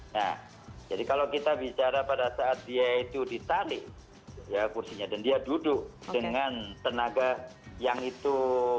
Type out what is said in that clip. nah jadi kalau kita bicara pada saat dia itu ditarik ya kursinya dan dia duduk dengan tenaga yang itu